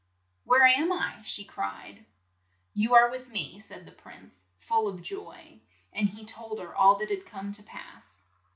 Where am I ?" she cried. 'You are with me," said the prince, full of joy, and he told her all that had come to pass.